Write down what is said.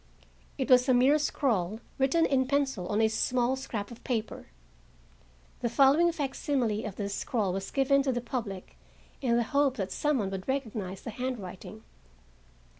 It was a mere scrawl written in pencil on a small scrap of paper. The following facsimile of the scrawl was given to the public in the hope that some one would recognize the handwriting.